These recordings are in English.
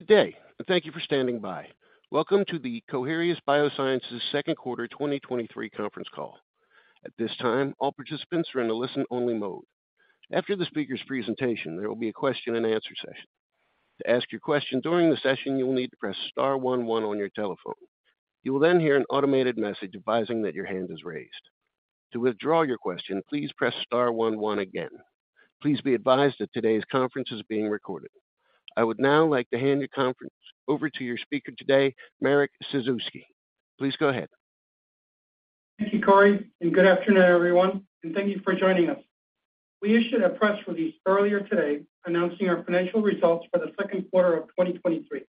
Good day, and thank you for standing by. Welcome to the Coherus BioSciences Second Quarter 2023 Conference Call. At this time, all participants are in a listen-only mode. After the speaker's presentation, there will be a question-and-answer session. To ask your question during the session, you will need to press star one one on your telephone. You will then hear an automated message advising that your hand is raised. To withdraw your question, please press star one one again. Please be advised that today's conference is being recorded. I would now like to hand the conference over to your speaker today, Marek Ciszewski. Please go ahead. Thank you, Corey, and good afternoon, everyone, and thank you for joining us. We issued a press release earlier today announcing our Financial Results for the Second Quarter of 2023.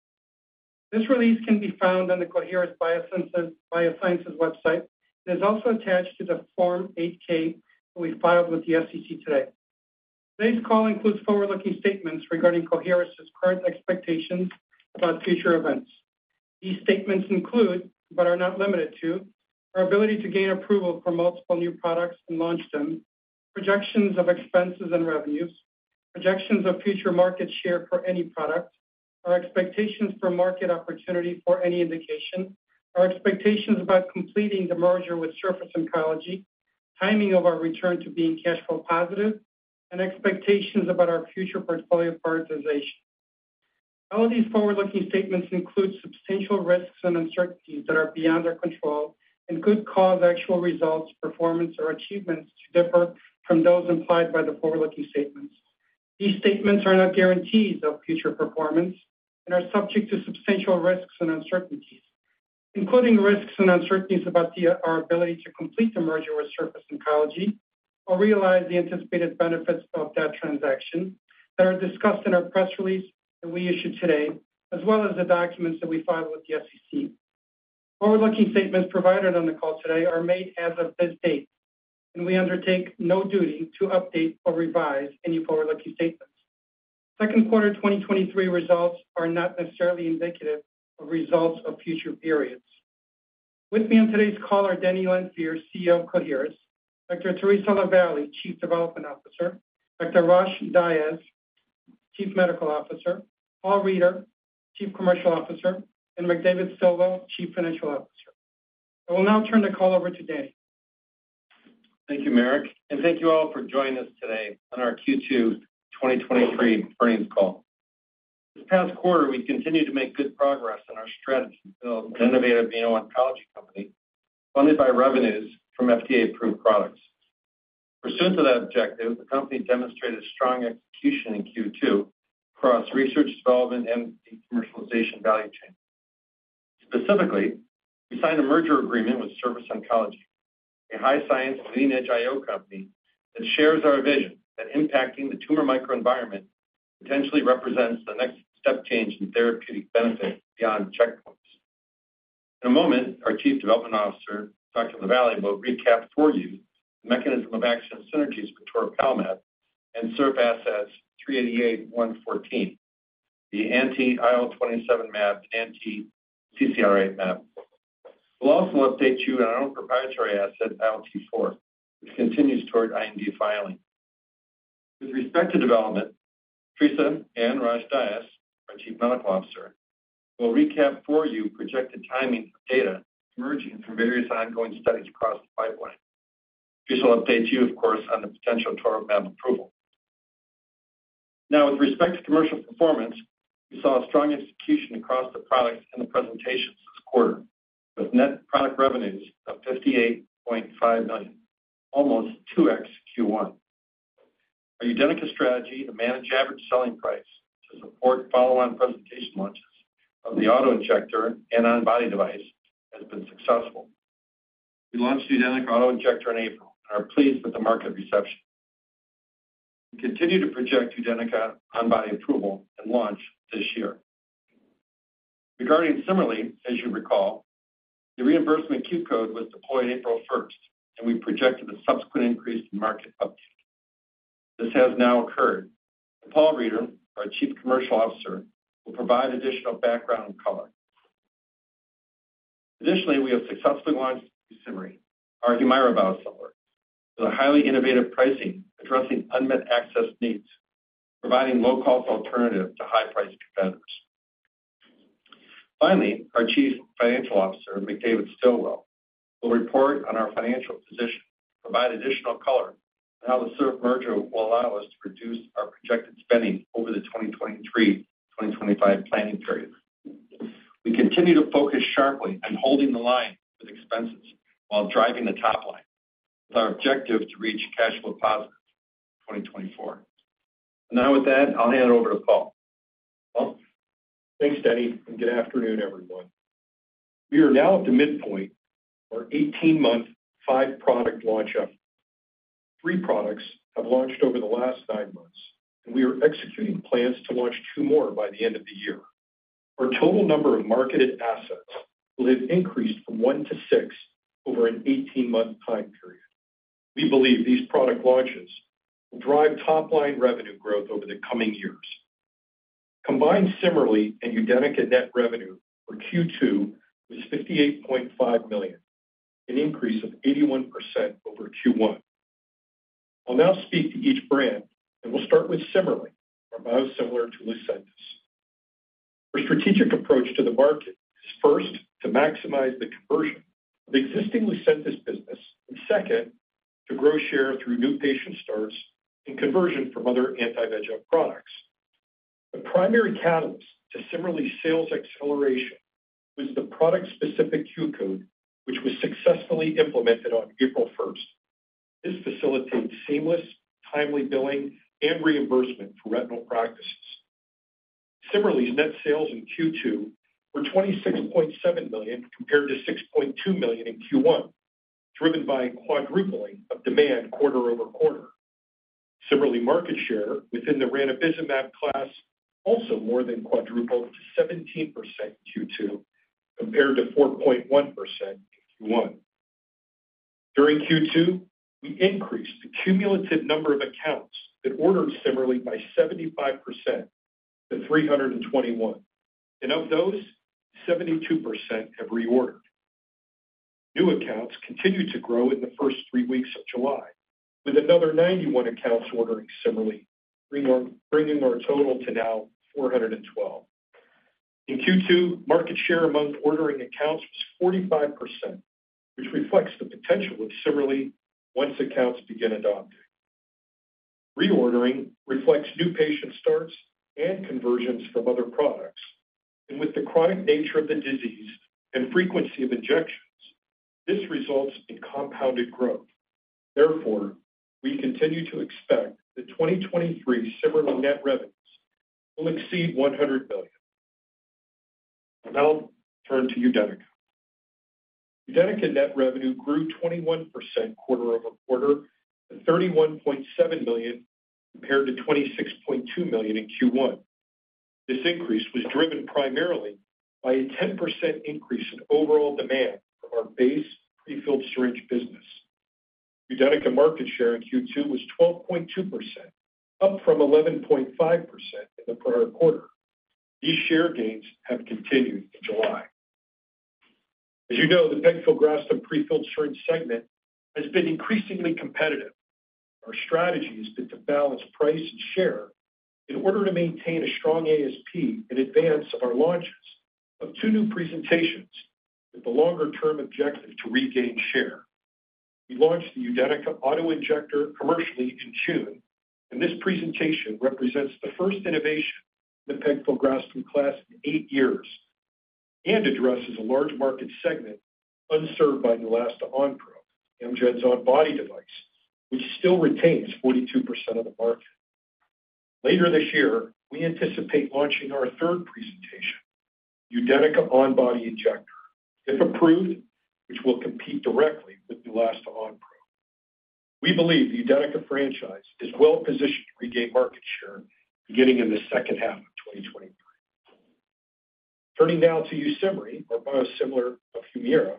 This release can be found on the Coherus BioSciences website and is also attached to the Form 8-K that we filed with the SEC today. Today's call includes forward-looking statements regarding Coherus's current expectations about future events. These statements include, but are not limited to, our ability to gain approval for multiple new products and launch them, projections of expenses and revenues, projections of future market share for any product, our expectations for market opportunity for any indication, our expectations about completing the merger with Surface Oncology, timing of our return to being cash flow positive, and expectations about our future portfolio prioritization. All of these forward-looking statements include substantial risks and uncertainties that are beyond our control and could cause actual results, performance, or achievements to differ from those implied by the forward-looking statements. These statements are not guarantees of future performance and are subject to substantial risks and uncertainties, including risks and uncertainties about our ability to complete the merger with Surface Oncology or realize the anticipated benefits of that transaction, that are discussed in our press release that we issued today, as well as the documents that we filed with the SEC. Forward-looking statements provided on the call today are made as of this date, and we undertake no duty to update or revise any forward-looking statements. Second quarter 2023 results are not necessarily indicative of results of future periods. With me on today's call are Denny Lanfear, CEO of Coherus, Dr. Theresa LaVallee, Chief Development Officer, Dr. Rosh Dias, Chief Medical Officer, Paul Reider, Chief Commercial Officer, and McDavid Stilwell, Chief Financial Officer. I will now turn the call over to Denny Lanfear. Thank you, Marek, and thank you all for joining us today on our Q2 2023 Earnings Call. This past quarter, we continued to make good progress on our strategy to build an innovative immuno-oncology company funded by revenues from FDA-approved products. Pursuant to that objective, the company demonstrated strong execution in Q2 across research, development, and the commercialization value chain. Specifically, we signed a merger agreement with Surface Oncology, a high science leading-edge IO company that shares our vision that impacting the tumor microenvironment potentially represents the next step change in therapeutic benefit beyond checkpoints. In a moment, our Chief Development Officer, Dr. Theresa LaVallee, will recap for you the mechanism of action synergies for toripalimab and SRF388, SRF114, the anti-IL-27 mAb, anti-CCR8 mAb. We'll also update you on our own proprietary asset, ILT4, which continues toward IND filing. With respect to development, Teresa and Rosh Dias, our Chief Medical Officer, will recap for you projected timings of data emerging from various ongoing studies across the pipeline. Teresa will update you, of course, on the potential toripalimab approval. With respect to commercial performance, we saw a strong execution across the products and the presentations this quarter, with net product revenues of $58.5 million, almost 2x Q1. Our UDENYCA strategy to manage average selling price to support follow-on presentation launches of the auto-injector and on-body device has been successful. We launched the UDENYCA auto-injector in April and are pleased with the market reception. We continue to project UDENYCA on-body approval and launch this year. Regarding CIMERLI, as you recall, the reimbursement Q-code was deployed April 1st, and we projected a subsequent increase in market uptake. This has now occurred. Paul Reider, our Chief Commercial Officer, will provide additional background and color. Additionally, we have successfully launched YUSIMRY, our Humira biosimilar, with a highly innovative pricing addressing unmet access needs, providing low-cost alternative to high-priced competitors. Finally, our Chief Financial Officer, McDavid Stilwell, will report on our financial position, provide additional color on how the Surf merger will allow us to reduce our projected spending over the 2023/2025 planning period. We continue to focus sharply on holding the line with expenses while driving the top line. It's our objective to reach cash flow positive in 2024. Now, with that, I'll hand it over to Paul. Paul? Thanks, Denny, good afternoon, everyone. We are now at the midpoint of our 18-month, five-product launch effort. Three products have launched over the last nine months, we are executing plans to launch two more by the end of the year. Our total number of marketed assets will have increased from one to six over an 18-month time period. We believe these product launches will drive top-line revenue growth over the coming years. Combined CIMERLI and UDENYCA net revenue for Q2 was $58.5 million, an increase of 81% over Q1. I'll now speak to each brand. We'll start with CIMERLI, our biosimilar to Lucentis. Our strategic approach to the market is first, to maximize the conversion of existing Lucentis business, and second, to grow share through new patient starts and conversion from other anti-VEGF products. The primary catalyst to CIMERLI sales acceleration was the product-specific Q-code, which was successfully implemented on April 1st. This facilitates seamless, timely billing and reimbursement for retinal practices. CIMERLI net sales in Q2 were $26.7 million, compared to $6.2 million in Q1, driven by a quadrupling of demand quarter-over-quarter. CIMERLI market share within the ranibizumab class also more than quadrupled to 17% in Q2, compared to 4.1% in Q1. During Q2, we increased the cumulative number of accounts that ordered CIMERLI by 75% to 321, and of those, 72% have reordered. New accounts continued to grow in the first 3 weeks of July, with another 91 accounts ordering CIMERLI, bringing our total to now 412. In Q2, market share among ordering accounts was 45%, which reflects the potential of CIMERLI once accounts begin adopting. Reordering reflects new patient starts and conversions from other products, with the chronic nature of the disease and frequency of injections, this results in compounded growth. Therefore, we continue to expect that 2023 CIMERLI net revenues will exceed $100 billion. I'll turn to UDENYCA. UDENYCA net revenue grew 21% quarter-over-quarter to $31.7 million, compared to $26.2 million in Q1. This increase was driven primarily by a 10% increase in overall demand from our base prefilled syringe business. UDENYCA market share in Q2 was 12.2%, up from 11.5% in the prior quarter. These share gains have continued in July. As you know, the pegfilgrastim prefilled syringe segment has been increasingly competitive. Our strategy has been to balance price and share in order to maintain a strong ASP in advance of our launches of two new presentations, with the longer-term objective to regain share. We launched the UDENYCA auto-injector commercially in June. This presentation represents the first innovation in the pegfilgrastim class in 8 years and addresses a large market segment unserved by Neulasta Onpro, Amgen's on-body device, which still retains 42% of the market. Later this year, we anticipate launching our third presentation, UDENYCA On-Body Injector. If approved, which will compete directly with Neulasta Onpro. We believe the UDENYCA franchise is well-positioned to regain market share beginning in the second half of 2023. Turning now to YUSIMRY, our biosimilar of Humira.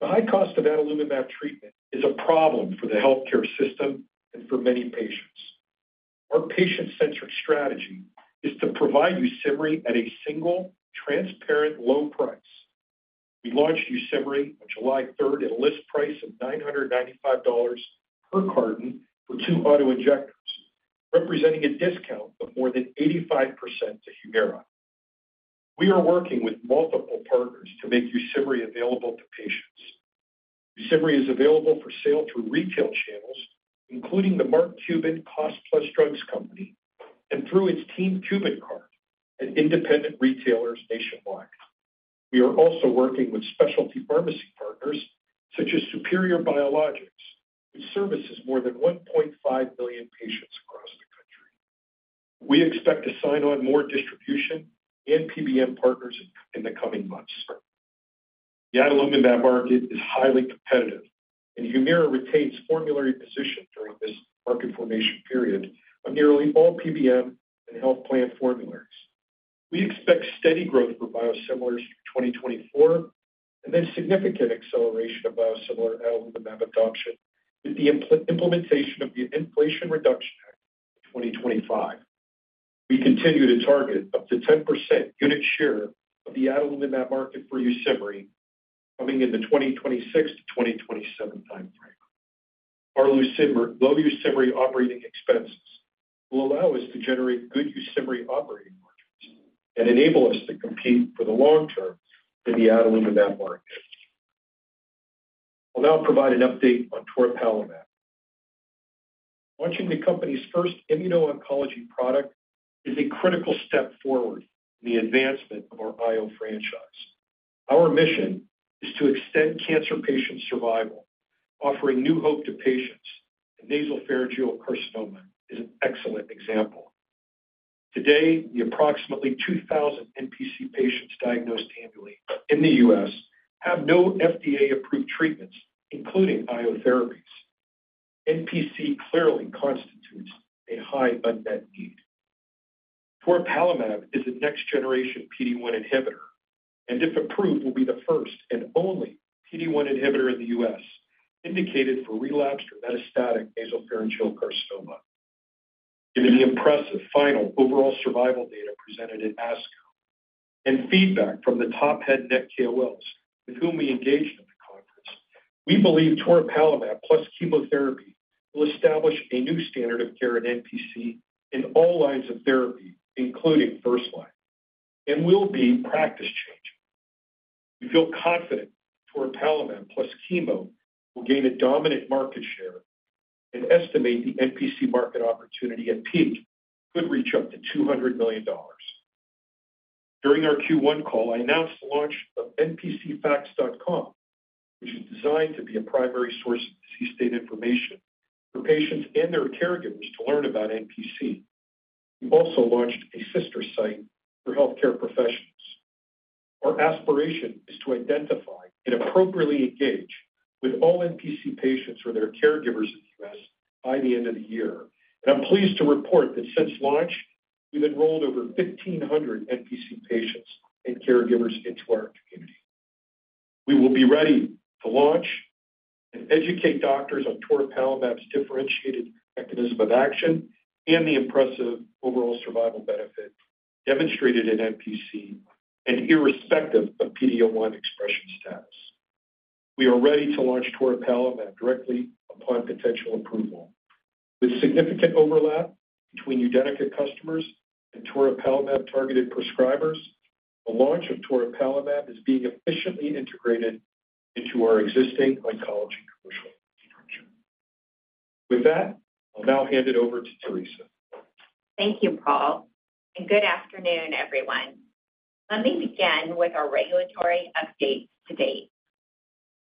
The high cost of adalimumab treatment is a problem for the healthcare system and for many patients. Our patient-centric strategy is to provide YUSIMRY at a single, transparent, low price. We launched YUSIMRY on July third at a list price of $995 per carton for 2 auto-injectors, representing a discount of more than 85% to Humira. We are working with multiple partners to make YUSIMRY available to patients. YUSIMRY is available for sale through retail channels, including the Mark Cuban Cost Plus Drug Company and through its Team Cuban cart at independent retailers nationwide. We are also working with specialty pharmacy partners, such as Superior Biologics, which services more than 1.5 million patients across the country. We expect to sign on more distribution and PBM partners in the coming months. The adalimumab market is highly competitive. Humira retains formulary position during this market formation period on nearly all PBM and health plan formularies. We expect steady growth for biosimilars in 2024, and then significant acceleration of biosimilar adalimumab adoption with the implementation of the Inflation Reduction Act in 2025. We continue to target up to 10% unit share of the adalimumab market for YUSIMRY, coming in the 2026-2027 time frame. Our low YUSIMRY operating expenses will allow us to generate good YUSIMRY operating margins and enable us to compete for the long term in the adalimumab market. I'll now provide an update on toripalimab. Launching the company's first immuno-oncology product is a critical step forward in the advancement of our IO franchise. Our mission is to extend cancer patient survival, offering new hope to patients. nasopharyngeal carcinoma is an excellent example. Today, the approximately 2,000 NPC patients diagnosed annually in the US have no FDA-approved treatments, including IO therapies. NPC clearly constitutes a high unmet need. toripalimab is a next-generation PD-1 inhibitor, and if approved, will be the first and only PD-1 inhibitor in the U.S. indicated for relapsed or metastatic nasopharyngeal carcinoma. Given the impressive final overall survival data presented in ASCO and feedback from the top head and neck KOLs with whom we engaged at the conference, we believe toripalimab plus chemotherapy will establish a new standard of care in NPC in all lines of therapy, including first line, and will be practice-changing. We feel confident toripalimab plus chemo will gain a dominant market share and estimate the NPC market opportunity at peak could reach up to $200 million. During our Q1 call, I announced the launch of NPCfacts.com, which is designed to be a primary source of C-state information for patients and their caregivers to learn about NPC. We've also launched a sister site for healthcare professionals. Our aspiration is to identify and appropriately engage with all NPC patients or their caregivers in the US by the end of the year. I'm pleased to report that since launch, we've enrolled over 1,500 NPC patients and caregivers into our community. We will be ready to launch and educate doctors on toripalimab's differentiated mechanism of action and the impressive overall survival benefit demonstrated in NPC and irrespective of PD-L1 expression status. We are ready to launch toripalimab directly upon potential approval. With significant overlap between UDENYCA customers and toripalimab-targeted prescribers, the launch of toripalimab is being efficiently integrated into our existing oncology commercial structure. With that, I'll now hand it over to Teresa. Thank you, Paul. Good afternoon, everyone. Let me begin with a regulatory update to date.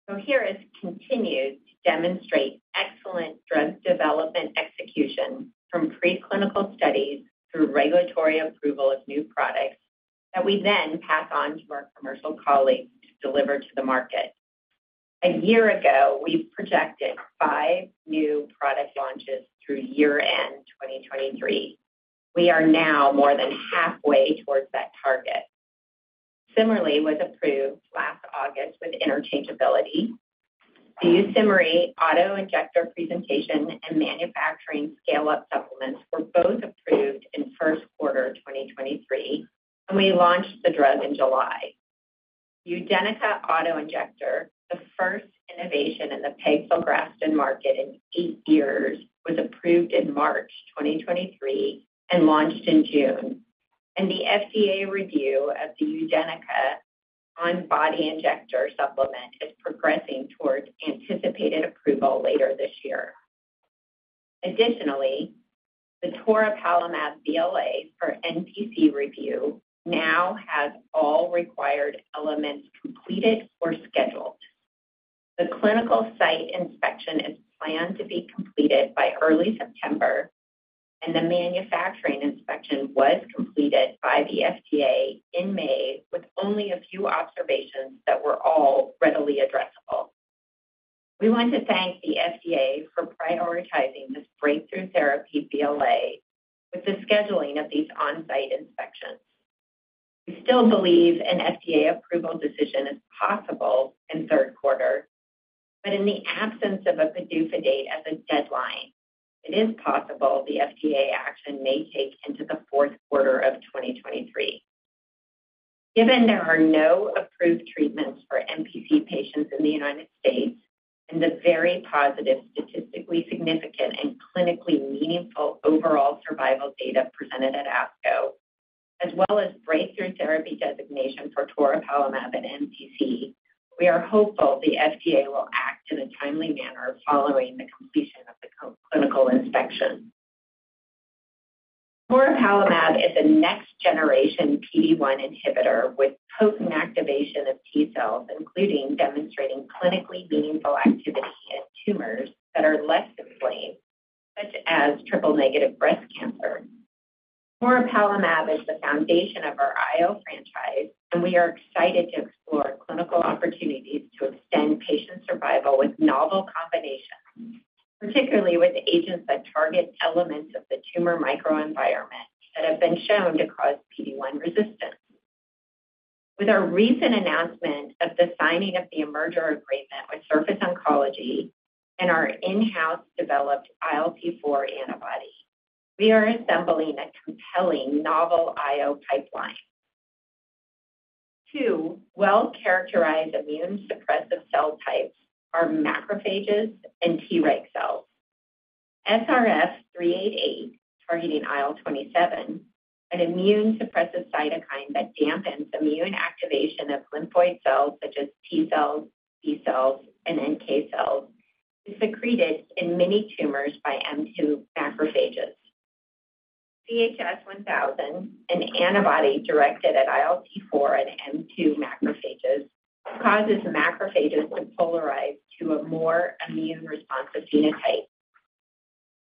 Coherus continues to demonstrate excellent drug development execution from preclinical studies through regulatory approval of new products that we then pass on to our commercial colleagues to deliver to the market. A year ago, we projected 5 new product launches through year-end 2023. We are now more than halfway towards that target. Similarly, was approved last August with interchangeability. The YUSIMRY auto-injector presentation and manufacturing scale-up supplements were both approved in first quarter 2023. We launched the drug in July. UDENYCA auto-injector, the first innovation in the pegfilgrastim market in 8 years, was approved in March 2023. Launched in June. The FDA review of the UDENYCA On-body Injector supplement is progressing towards anticipated approval later this year. Additionally, the toripalimab BLA for NPC review now has all required elements completed or scheduled. The clinical site inspection is planned to be completed by early September, and the manufacturing inspection was completed by the FDA in May, with only a few observations that were all readily addressable. We want to thank the FDA for prioritizing this Breakthrough Therapy BLA with the scheduling of these on-site inspections. We still believe an FDA approval decision is possible in third quarter. In the absence of a PDUFA date as a deadline, it is possible the FDA action may take into the fourth quarter of 2023. Given there are no approved treatments for NPC patients in the United States and the very positive, statistically significant, and clinically meaningful overall survival data presented at ASCO, as well as Breakthrough Therapy designation for toripalimab at NPC, we are hopeful the FDA will act in a timely manner following the completion of the co- clinical inspection. toripalimab is a next-generation PD-1 inhibitor with potent activation of T cells, including demonstrating clinically meaningful activity in tumors that are less inflamed, such as triple-negative breast cancer. toripalimab is the foundation of our IO franchise, and we are excited to explore clinical opportunities to extend patient survival with novel combinations, particularly with agents that target elements of the tumor microenvironment that have been shown to cause PD-1 resistance. With our recent announcement of the signing of the merger agreement with Surface Oncology and our in-house developed ILT4 antibody, we are assembling a compelling novel IO pipeline. Two well-characterized immune suppressive cell types are macrophages and Treg cells. SRF388, targeting IL-27, an immune suppressive cytokine that dampens immune activation of lymphoid cells such as T cells, B cells, and NK cells, is secreted in many tumors by M2 macrophages. CHS-1000, an antibody directed at ILT4 and M2 macrophages, causes macrophages to polarize to a more immune responsive phenotype.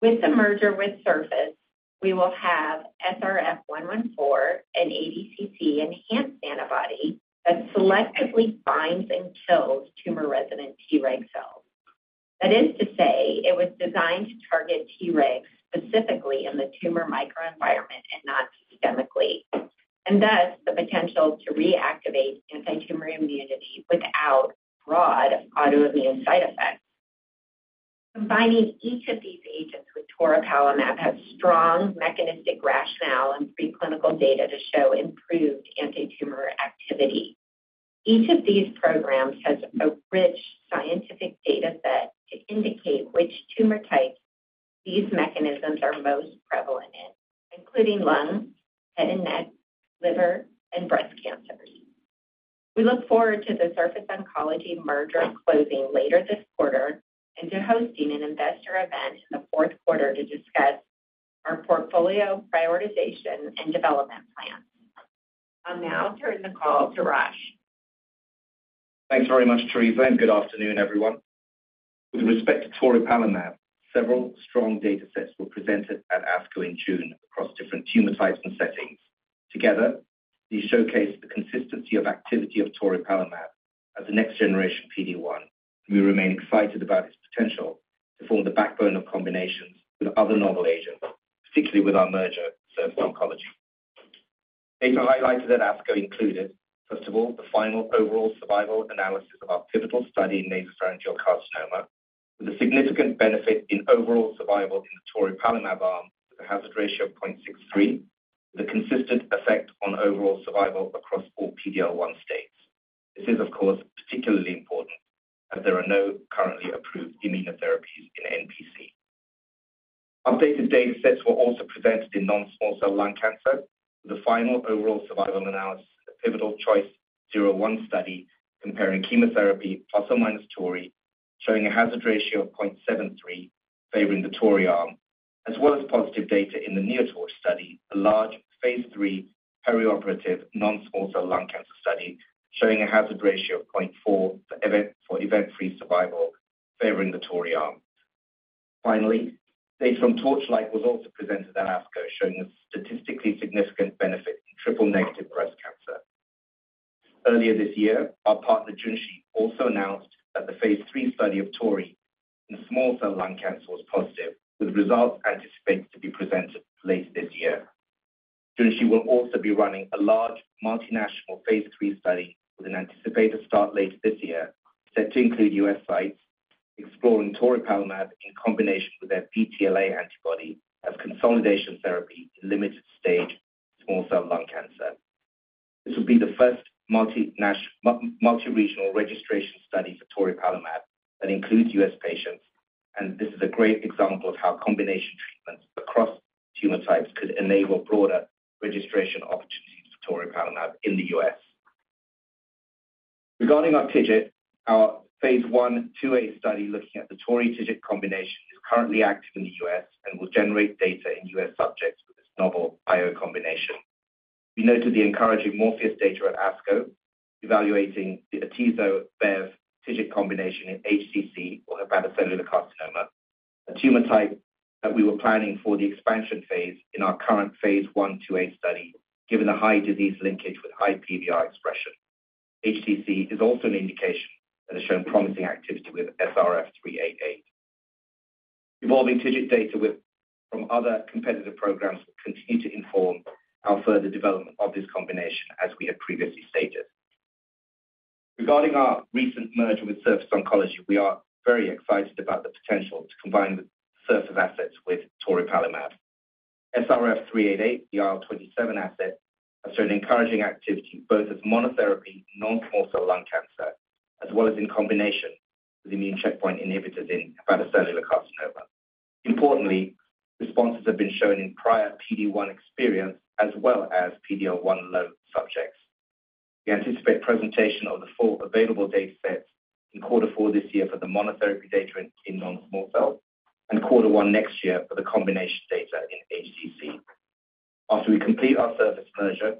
With the merger with Surface, we will have SRF114, an ADCC-enhanced antibody that selectively binds and kills tumor-resident Treg cells. That is to say, it was designed to target Treg specifically in the tumor microenvironment, systemically, and thus the potential to reactivate antitumor immunity without broad autoimmune side effects. Combining each of these agents with toripalimab has strong mechanistic rationale and preclinical data to show improved antitumor activity. Each of these programs has a rich scientific data set to indicate which tumor types these mechanisms are most prevalent in, including lung, head and neck, liver, and breast cancers. We look forward to the Surface Oncology merger closing later this quarter, and to hosting an investor event in the fourth quarter to discuss our portfolio prioritization and development plans. I'll now turn the call to Rosh. Thanks very much, Theresa. Good afternoon, everyone. With respect to toripalimab, several strong data sets were presented at ASCO in June across different tumor types and settings. Together, these showcase the consistency of activity of toripalimab as a next-generation PD-1, and we remain excited about its potential to form the backbone of combinations with other novel agents, particularly with our merger, Surface Oncology. Data highlighted at ASCO included, first of all, the final overall survival analysis of our pivotal study in nasopharyngeal carcinoma, with a significant benefit in overall survival in the toripalimab arm, with a hazard ratio of .63, with a consistent effect on overall survival across all PD-L1 states. This is, of course, particularly important as there are no currently approved immunotherapies in NPC. Updated data sets were also presented in non-small cell lung cancer, with a final overall survival analysis, the pivotal CHOICE-01 study comparing chemotherapy ± tori, showing a hazard ratio of .73, favoring the tori arm, as well as positive data in the NEOTORCH study, a large phase III perioperative non-small cell lung cancer study, showing a hazard ratio of .44 for event, for event-free survival favoring the tori arm. Finally, data from TORCHLIGHT was also presented at ASCO, showing a statistically significant benefit in triple-negative breast cancer. Earlier this year, our partner, Junshi, also announced that the phase III study of tori in small cell lung cancer was positive, with results anticipated to be presented later this year. Junshi will also be running a large, multinational phase III study with an anticipated start later this year, set to include U.S. sites exploring toripalimab in combination with their CTLA-4 antibody as consolidation therapy in limited-stage small cell lung cancer. This will be the first multi-regional r \egistration study for toripalimab that includes U.S. patients. This is a great example of how combination treatments across tumor types could enable broader registration opportunities for toripalimab in the U.S. Regarding our TIGIT, our phase I/IIa study, looking at the tori TIGIT combination, is currently active in the U.S. and will generate data in U.S. subjects with this novel bio combination. We noted the encouraging Morpheus data at ASCO, evaluating the atezo-bev TIGIT combination in HCC, or hepatocellular carcinoma, a tumor type that we were planning for the expansion phase in our current phase I, IIA study, given the high disease linkage with high PD-L1 expression. HCC is also an indication that has shown promising activity with SRF388. Evolving TIGIT data from other competitive programs will continue to inform our further development of this combination, as we have previously stated. Regarding our recent merger with Surface Oncology, we are very excited about the potential to combine the Surface assets with toripalimab. SRF388, the IL-27 asset, has shown encouraging activity, both as monotherapy in non-small cell lung cancer, as well as in combination with immune checkpoint inhibitors in hepatocellular carcinoma. Importantly, responses have been shown in prior PD-1 experience as well as PD-L1 low subjects. We anticipate presentation of the full available data sets in quarter four this year for the monotherapy data in non-small cell, and quarter one next year for the combination data in HCC. After we complete our Surface merger,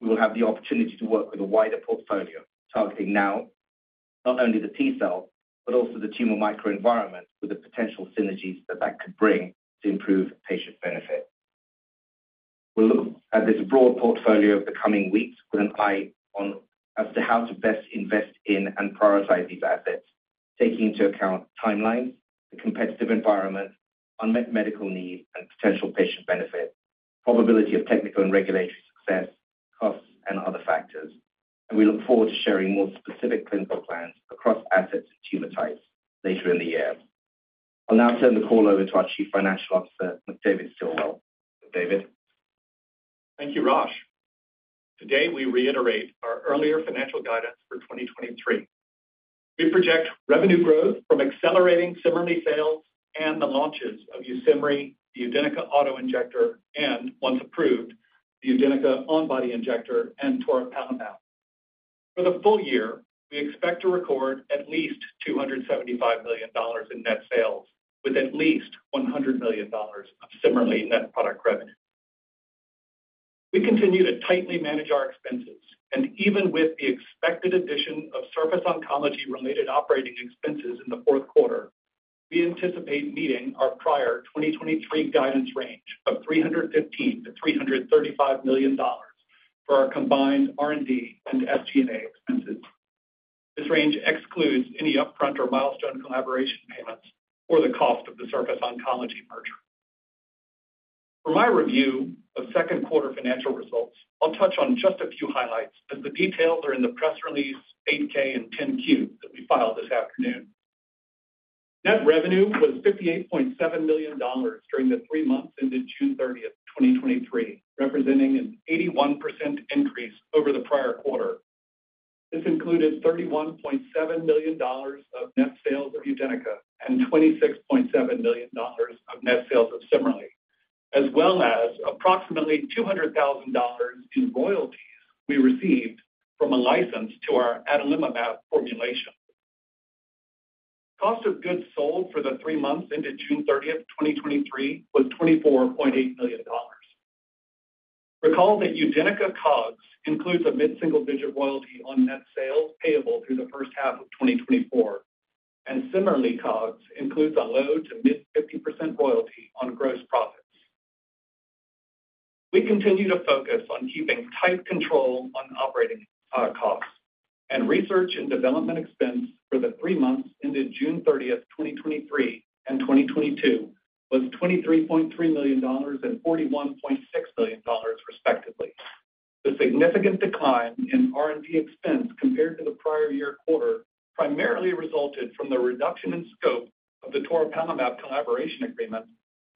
we will have the opportunity to work with a wider portfolio, targeting now not only the T cell, but also the tumor microenvironment, with the potential synergies that that could bring to improve patient benefit. We'll look at this broad portfolio over the coming weeks with an eye on as to how to best invest in and prioritize these assets, taking into account timelines, the competitive environment, unmet medical needs, and potential patient benefit, probability of technical and regulatory success, costs, and other factors. We look forward to sharing more specific clinical plans across assets and tumor types later in the year. I'll now turn the call over to our Chief Financial Officer, McDavid Stilwell. McDavid? Thank you, Rosh. Today, we reiterate our earlier financial guidance for 2023. We project revenue growth from accelerating similarly sales and the launches of YUSIMRY, the UDENYCA auto-injector, and once approved, the UDENYCA onbody injector and toripalimab. For the full year, we expect to record at least $275 million in net sales, with at least $100 million of similarly net product revenue. We continue to tightly manage our expenses, even with the expected addition of Surface Oncology-related operating expenses in the fourth quarter, we anticipate meeting our prior 2023 guidance range of $315 million-$335 million for our combined R&D and SG&A expenses. This range excludes any upfront or milestone collaboration payments or the cost of the Surface Oncology merger. For my review of second quarter financial results, I'll touch on just a few highlights, as the details are in the press release, 8-K and 10-Q that we filed this afternoon. Net revenue was $58.7 million during the three months ended June 30th, 2023, representing an 81% increase over the prior quarter. This included $31.7 million of net sales of UDENYCA and $26.7 million of net sales of CIMERLI, as well as approximately $200,000 in royalties we received from a license to our adalimumab formulation. Cost of goods sold for the three months ended June 30th, 2023, was $24.8 million. Recall that UDENYCA COGS includes a mid-single-digit royalty on net sales payable through the first half of 2024, and CIMERLI COGS includes a low to mid-50% royalty on gross profits. We continue to focus on keeping tight control on operating costs. Research and development expense for the three months ended June 30th, 2023 and 2022, was $23.3 million and $41.6 million, respectively. The significant decline in R&D expense compared to the prior year quarter primarily resulted from the reduction in scope of the toripalimab collaboration agreement,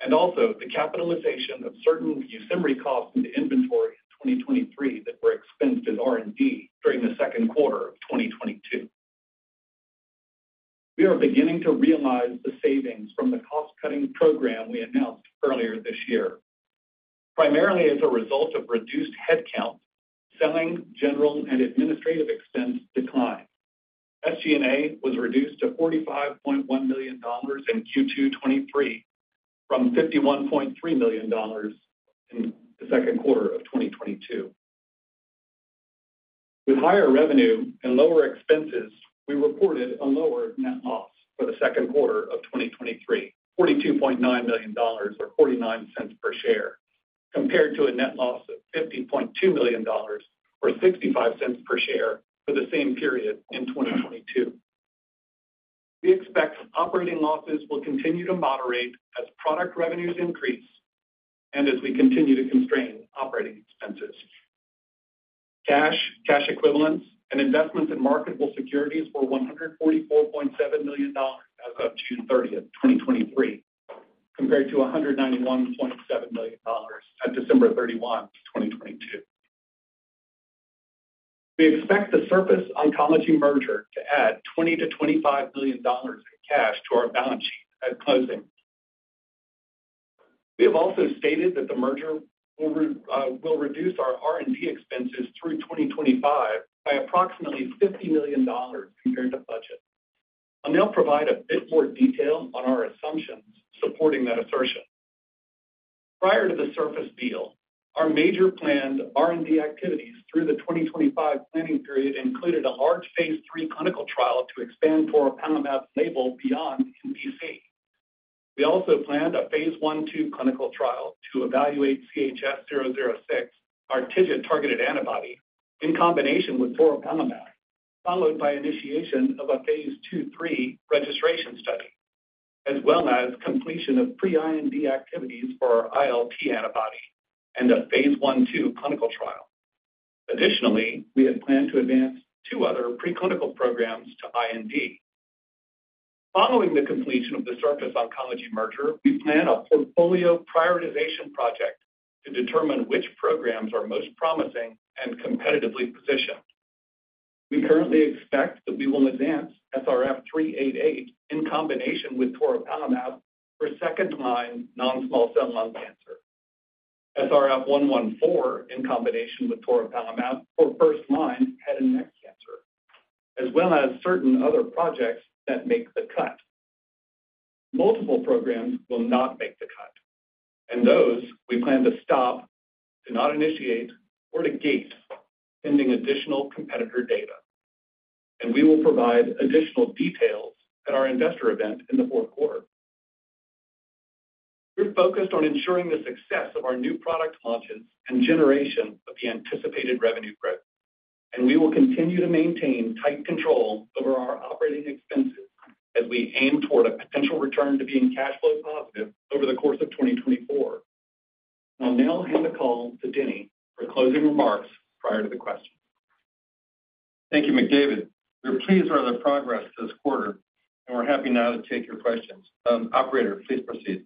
and also the capitalization of certain YUSIMRY costs into inventory in 2023 that were expensed in R&D during the second quarter of 2022. We are beginning to realize the savings from the cost-cutting program we announced earlier this year. Primarily as a result of reduced headcount, selling, general and administrative expense declined. SG&A was reduced to $45.1 million in Q2 2023, from $51.3 million in the second quarter of 2022. With higher revenue and lower expenses, we reported a lower net loss for the second quarter of 2023, $42.9 million or $0.49 per share, compared to a net loss of $50.2 million or $0.65 per share for the same period in 2022. We expect operating losses will continue to moderate as product revenues increase and as we continue to constrain operating expenses. Cash, cash equivalents and investments in marketable securities were $144.7 million as of June 30th, 2023, compared to $191.7 million at December 31st, 2022. We expect the Surface Oncology merger to add $20 million-$25 million in cash to our balance sheet at closing. We have also stated that the merger will reduce our R&D expenses through 2025 by approximately $50 million compared to budget. I'll now provide a bit more detail on our assumptions supporting that assertion. Prior to the Surface deal, our major planned R&D activities through the 2025 planning period included a large phase 3 clinical trial to expand toripalimab's label beyond MBC. We also planned a phase I, II clinical trial to evaluate CHS-006, our TIGIT-targeted antibody, in combination with toripalimab, followed by initiation of a phase II, III registration study, as well as completion of pre-IND activities for our ILT antibody and a phase I, II clinical trial. We had planned to advance 2 other preclinical programs to IND. Following the completion of the Surface Oncology merger, we plan a portfolio prioritization project to determine which programs are most promising and competitively positioned. We currently expect that we will advance SRF388 in combination with toripalimab for second-line non-small cell lung cancer, SRF114 in combination with toripalimab for first-line head and neck cancer, as well as certain other projects that make the cut. Multiple programs will not make the cut, and those we plan to stop, to not initiate, or to gate, pending additional competitor data, and we will provide additional details at our investor event in the fourth quarter. We're focused on ensuring the success of our new product launches and generation of the anticipated revenue growth, and we will continue to maintain tight control over our operating expenses as we aim toward a potential return to being cash flow positive over the course of 2024. I'll now hand the call to Denny for closing remarks prior to the question. Thank you, McDavid. We're pleased with our progress this quarter, and we're happy now to take your questions. Operator, please proceed.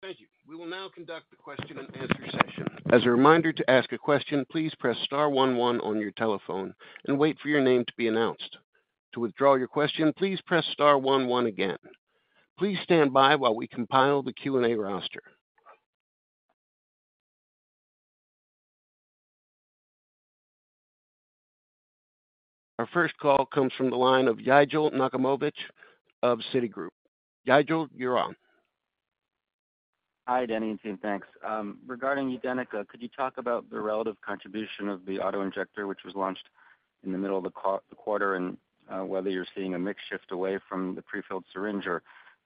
Thank you. We will now conduct the question and answer session. As a reminder, to ask a question, please press star one, one on your telephone and wait for your name to be announced. To withdraw your question, please press star one, one again. Please stand by while we compile the Q&A roster. Our first call comes from the line of Yigal Nochomovitz of Citigroup. Yigal, you're on. Hi, Denny and team. Thanks. Regarding UDENYCA, could you talk about the relative contribution of the auto-injector, which was launched in the middle of the quarter, and whether you're seeing a mix shift away from the prefilled syringe.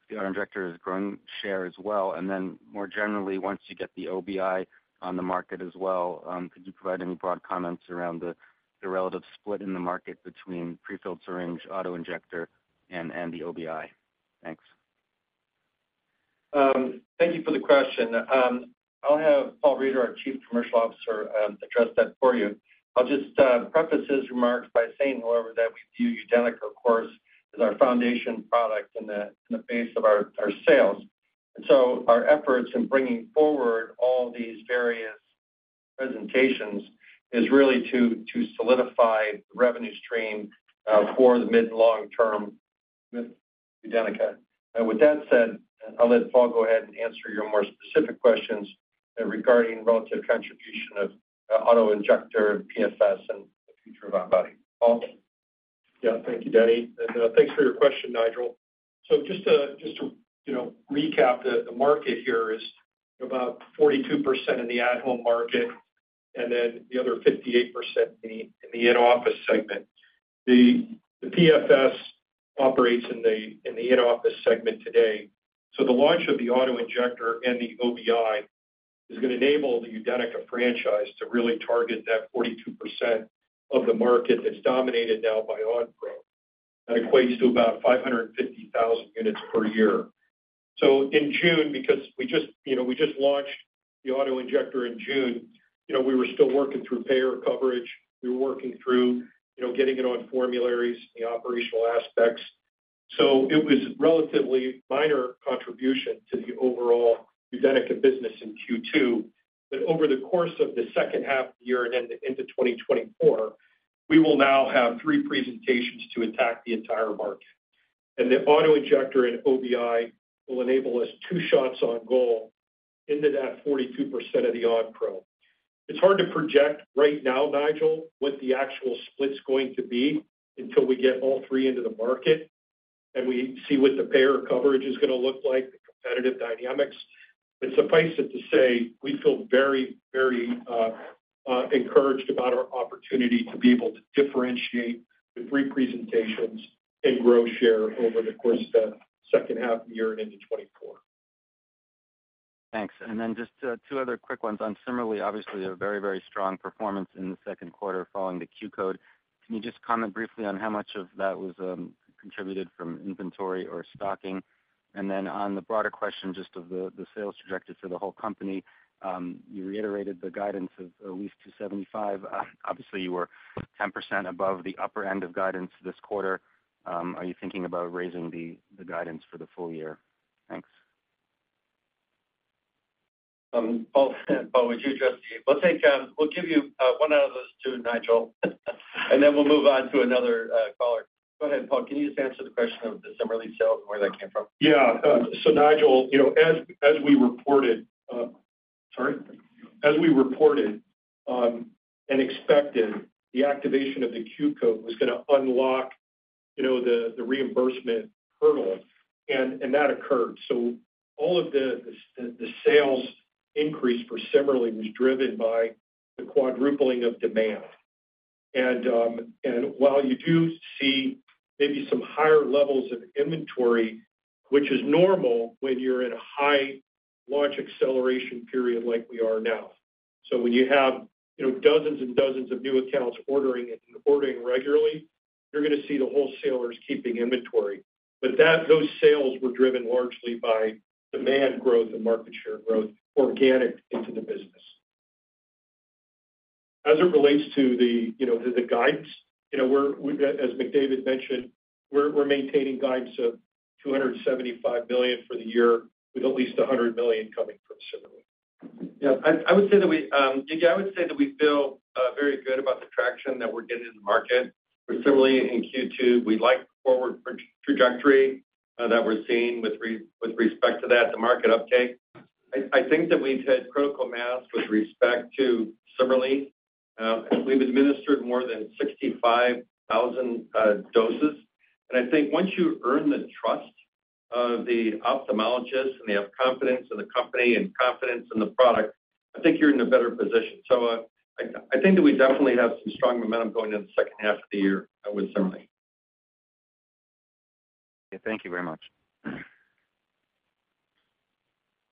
The auto-injector is growing share as well. Then more generally, once you get the OBI on the market as well, could you provide any broad comments around the, the relative split in the market between prefilled syringe, auto-injector, and, and the OBI? Thanks. Thank you for the question. I'll have Paul Reider, our Chief Commercial Officer, address that for you. I'll just preface his remarks by saying, however, that we view UDENYCA, of course, as our foundation product and the, and the base of our, our sales. So our efforts in bringing forward all these various presentations is really to, to solidify the revenue stream for the mid and long term with UDENYCA. With that said, I'll let Paul go ahead and answer your more specific questions regarding relative contribution of auto-injector and PFS and the future of our OBI. Paul? Yeah. Thank you, Denny. Thanks for your question, Yigal. Just to, you know, recap, the market here is about 42% in the at-home market, and then the other 58% in the in-office segment. The PFS operates in the in-office segment today. The launch of the auto-injector and the OBI is going to enable the UDENYCA franchise to really target that 42% of the market that's dominated now by Onpro. That equates to about 550,000 units per year. In June, because we just, you know, we just launched the auto-injector in June, you know, we were still working through payer coverage. We were working through, you know, getting it on formularies, the operational aspects. It was relatively minor contribution to the overall UDENYCA business in Q2. Over the course of the second half of the year and then into 2024, we will now have 3 presentations to attack the entire market. The auto-injector and OBI will enable us 2 shots on goal into that 42% of the Onpro. It's hard to project right now, Yigal, what the actual split's going to be until we get all 3 into the market, and we see what the payer coverage is gonna look like, the competitive dynamics. Suffice it to say, we feel very, very encouraged about our opportunity to be able to differentiate the 3 presentations and grow share over the course of the second half of the year and into 2024. Thanks. Then just two other quick ones on CIMERLI, obviously, a very, very strong performance in the second quarter following Q-code. can you just comment briefly on how much of that was contributed from inventory or stocking? Then on the broader question, just of the, the sales trajectory for the whole company, you reiterated the guidance of at least $275 million. Obviously, you were 10% above the upper end of guidance this quarter. Are you thinking about raising the, the guidance for the full year? Thanks. Paul, Paul, would you address the, we'll take, we'll give you 1 out of those 2, Yigal, and then we'll move on to another caller. Go ahead, Paul. Can you just answer the question of the CIMERLI sales and where that came from? Yeah. Yigal, you know, as, as we reported, Sorry? As we reported, expected, the activation of Q-code was gonna unlock, you know, the, the reimbursement hurdle, and that occurred. All of the, the, the sales increase for CIMERLI was driven by the quadrupling of demand. While you do see maybe some higher levels of inventory, which is normal when you're in a high launch acceleration period like we are now. When you have, you know, dozens and dozens of new accounts ordering it and ordering regularly, you're gonna see the wholesalers keeping inventory. Those sales were driven largely by demand growth and market share growth, organic into the business. As it relates to the, you know, to the guidance, you know, we're, we've, as McDavid mentioned, we're, we're maintaining guidance of $275 million for the year, with at least $100 million coming from CIMERLI. Yeah, I, I would say that we, yeah, I would say that we feel very good about the traction that we're getting in the market. For CIMERLI, in Q2, we like the forward trajectory that we're seeing with respect to that, the market uptake. I, I think that we've hit critical mass with respect to CIMERLI, we've administered more than 65,000 doses. I think once you earn the trust of the ophthalmologist, and they have confidence in the company and confidence in the product, I think you're in a better position. I, I think that we definitely have some strong momentum going in the second half of the year with CIMERLI. Thank you very much.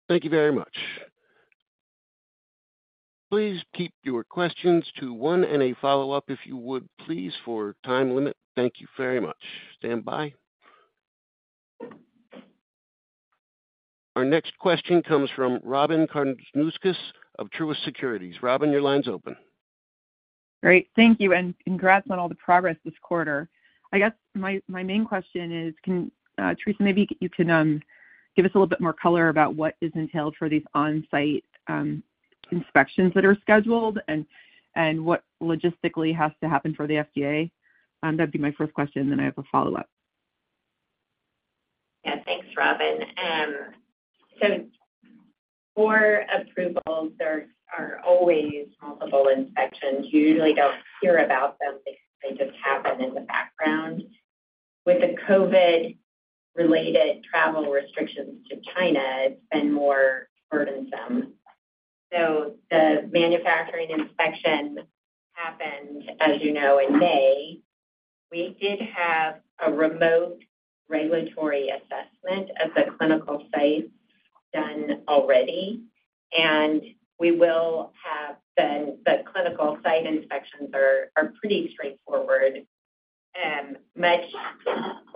Thank you very much. Please keep your questions to one and a follow-up, if you would, please, for time limit. Thank you very much. Stand by. Our next question comes from Robyn Karnauskas of Truist Securities. Robin, your line's open. Great. Thank you, congrats on all the progress this quarter. I guess my, my main question is, can Theresa, maybe you can give us a little bit more color about what is entailed for these on-site inspections that are scheduled and what logistically has to happen for the FDA? That'd be my first question, I have a follow-up. Yeah. Thanks, Robyn. So for approvals, there are always multiple inspections. You usually don't hear about them because they just happen in the background. With the COVID-related travel restrictions to China, it's been more burdensome. The manufacturing inspection happened, as you know, in May. We did have a remote regulatory assessment of the clinical site done already, and we will have the, the clinical site inspections are, are pretty straightforward, much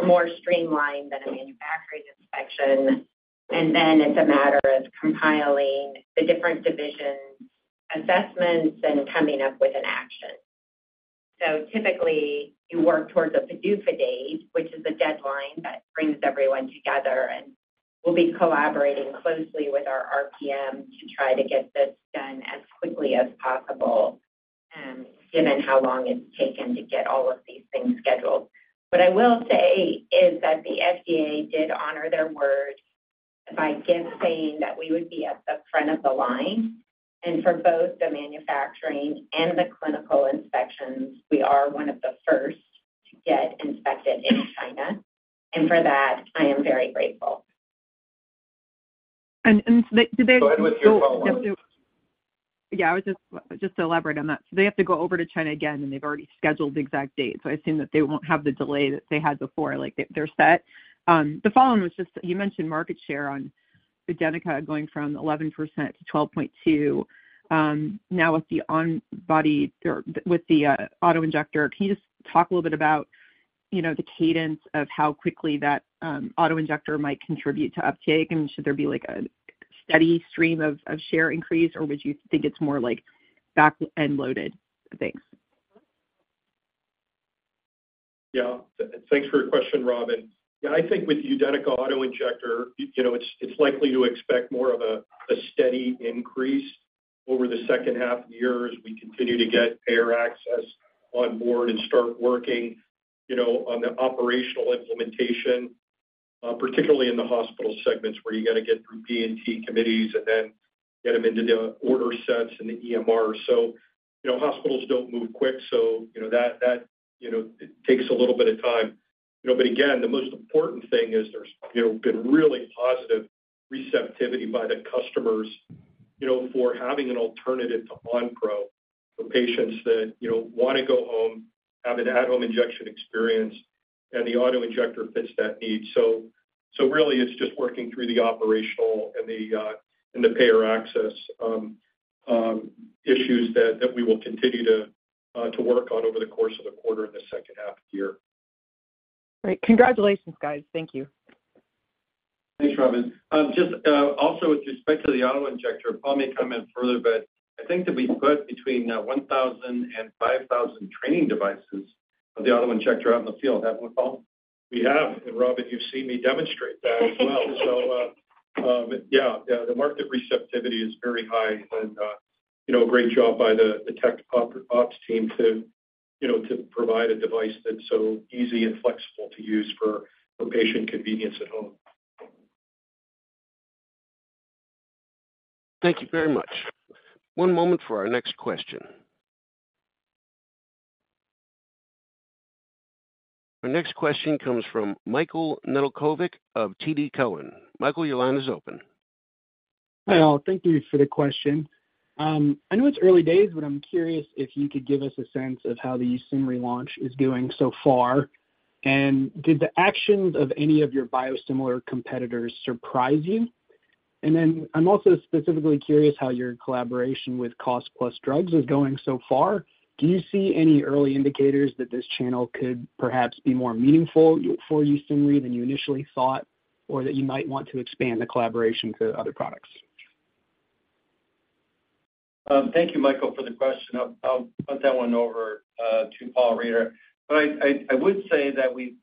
more streamlined than a manufacturing inspection. Then it's a matter of compiling the different division assessments and coming up with an action. Typically, you work towards a PDUFA date, which is a deadline that brings everyone together, and we'll be collaborating closely with our RPM to try to get this done as quickly as possible, given how long it's taken to get all of these things scheduled. What I will say is that the FDA did honor their word by giving, saying that we would be at the front of the line. For both the manufacturing and the clinical inspections, we are one of the first to get inspected in China, and for that, I am very grateful. And, and do they Go ahead with your follow-up. Yeah, I was just, just to elaborate on that. They have to go over to China again, and they've already scheduled the exact date. I assume that they won't have the delay that they had before, like, they're set. The follow-on was just, you mentioned market share on UDENYCA going from 11% to 12.2. Now with the on body or with the auto injector, can you just talk a little bit about, you know, the cadence of how quickly that auto injector might contribute to uptake? Should there be, like, a steady stream of, of share increase, or would you think it's more like back-end loaded? Thanks. Yeah. Thanks for your question, Robyn. Yeah, I think with UDENYCA auto-injector, you know, it's, it's likely to expect more of a, a steady increase over the second half of the year as we continue to get payer access on board and start working, you know, on the operational implementation, particularly in the hospital segments, where you got to get through P&T committees and then get them into the order sets and the EMR. Hospitals don't move quick, so you know, it takes a little bit of time. Again, the most important thing is there's, you know, been really positive receptivity by the customers, you know, for having an alternative to Onpro for patients that, you know, want to go home, have an at-home injection experience, and the auto-injector fits that need. Really, it's just working through the operational and the and the payer access issues that, that we will continue to work on over the course of the quarter in the second half of the year. Great. Congratulations, guys. Thank you. Thanks, Robyn. Also with respect to the auto-injector, Paul may comment further, but I think that we put between 1,000 and 5,000 training devices of the auto-injector out in the field. Is that right, Paul? We have. Robyn, you've seen me demonstrate that as well. Yeah, yeah, the market receptivity is very high and, you know, a great job by the tech ops team to, you know, to provide a device that's so easy and flexible to use for, for patient convenience at home. Thank you very much. One moment for our next question. Our next question comes from Michael Nedelcovych of TD Cowen. Michael, your line is open. Hi, all. Thank you for the question. I know it's early days, but I'm curious if you could give us a sense of how the YUSIMRY launch is doing so far. Did the actions of any of your biosimilar competitors surprise you? I'm also specifically curious how your collaboration with Cost Plus Drugs is going so far. Do you see any early indicators that this channel could perhaps be more meaningful for you, for YUSIMRY than you initially thought, or that you might want to expand the collaboration to other products? Thank you, Michael, for the question. I'll, I'll put that one over to Paul Reider. I, I, I would say that we,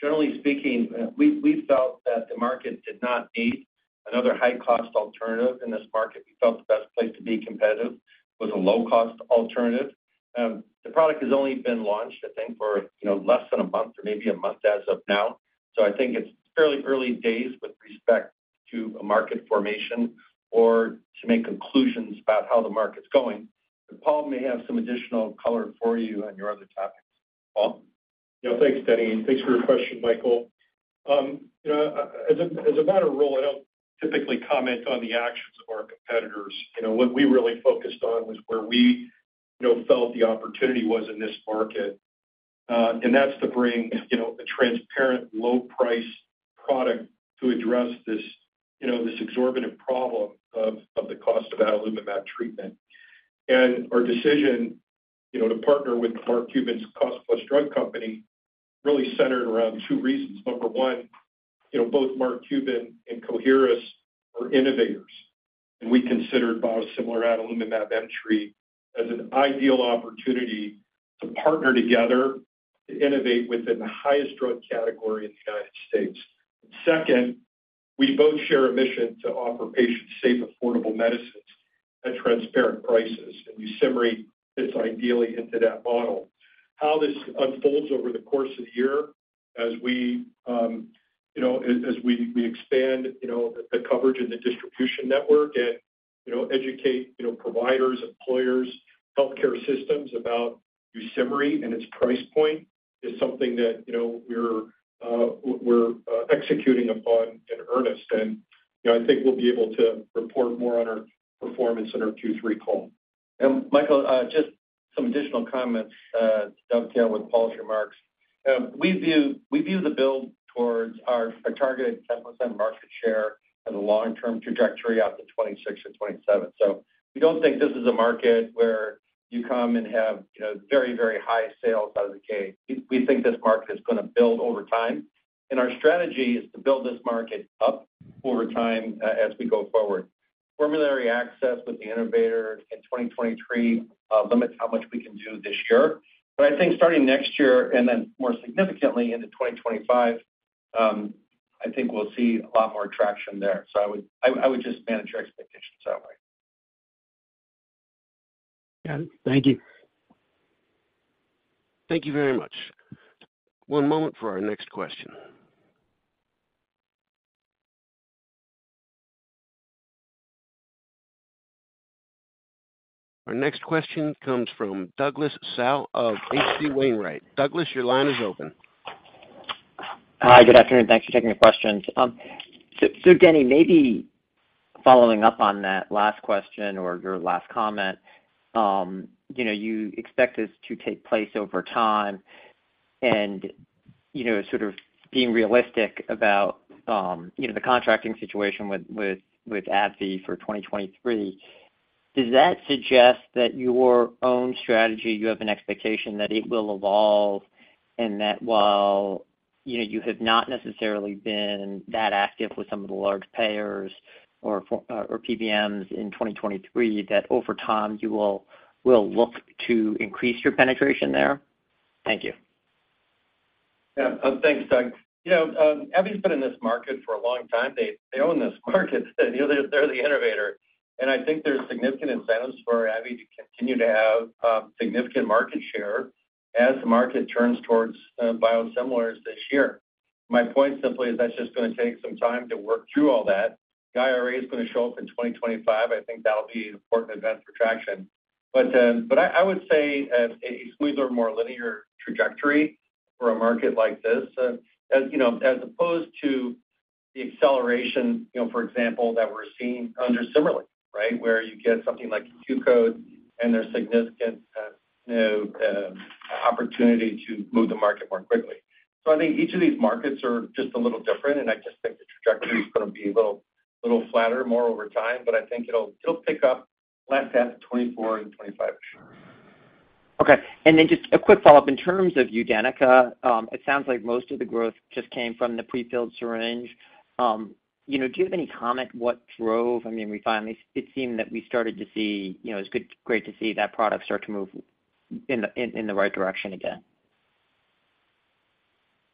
generally speaking, we, we felt that the market did not need another high-cost alternative in this market. We felt the best place to be competitive was a low-cost alternative. The product has only been launched, I think for, you know, less than a month or maybe a month as of now. I think it's fairly early days with respect to a market formation or to make conclusions about how the market's going. Paul may have some additional color for you on your other topics. Paul? Yeah, thanks, Denny, and thanks for your question, Michael. You know, as a, as a matter of rule, I don't typically comment on the actions of our competitors. You know, what we really focused on was where we, you know, felt the opportunity was in this market. and that's to bring, you know, a transparent, low-price product to address this, you know, this exorbitant problem of, of the cost of adalimumab treatment. Our decision, you know, to partner with Mark Cuban's Cost Plus Drug Company really centered around two reasons. Number one, you know, both Mark Cuban and Coherus are innovators, and we considered biosimilar adalimumab entry as an ideal opportunity to partner together to innovate within the highest drug category in the United States. Second, we both share a mission to offer patients safe, affordable medicines at transparent prices, and YUSIMRY fits ideally into that model. How this unfolds over the course of the year, as we, you know, as we expand, you know, the coverage and the distribution network and, you know, educate, you know, providers, employers, healthcare systems about YUSIMRY and its price point is something that, you know, we're executing upon in earnest. I think we'll be able to report more on our performance in our Q3 call. Michael, just some additional comments to dovetail with Paul's remarks. We view, we view the build towards our, our targeted 10% market share as a long-term trajectory out to 2026 or 2027. We don't think this is a market where you come and have, you know, very, very high sales out of the gate. We, we think this market is gonna build over time, and our strategy is to build this market up over time as we go forward. Formulary access with the innovator in 2023 limits how much we can do this year. I think starting next year, and then more significantly into 2025, I think we'll see a lot more traction there. I would, I would just manage your expectations that way. Got it. Thank you. Thank you very much. One moment for our next question. Our next question comes from Douglas Tsao of H.C. Wainwright. Douglas, your line is open. Hi, good afternoon. Thanks for taking the questions. Denny, maybe following up on that last question or your last comment, you know, you expect this to take place over time and, you know, sort of being realistic about, you know, the contracting situation with AbbVie for 2023, does that suggest that your own strategy, you have an expectation that it will evolve, and that while, you know, you have not necessarily been that active with some of the large payers or for, or PBMs in 2023, that over time, you will look to increase your penetration there? Thank you. Yeah. Thanks, Doug. You know, AbbVie's been in this market for a long time. They, they own this market. You know, they're, they're the innovator, and I think there's significant incentives for AbbVie to continue to have significant market share as the market turns towards biosimilars this year. My point simply is that's just gonna take some time to work through all that. The IRA is gonna show up in 2025. I think that'll be an important event for traction. I, I would say a smoother, more linear trajectory for a market like this, as, you know, as opposed to the acceleration, you know, for example, that we're seeing under CIMERLI, right? Where you get something Q-code, and there's significant, you know, opportunity to move the market more quickly. I think each of these markets are just a little different, and I just think the trajectory is gonna be a little, little flatter more over time, but I think it'll, it'll pick up last half of 2024 and 2025 for sure. Okay. Then just a quick follow-up. In terms of UDENYCA, it sounds like most of the growth just came from the prefilled syringe. You know, do you have any comment what drove. I mean, we finally, it seemed that we started to see, you know, it's good, great to see that product start to move in the right direction again.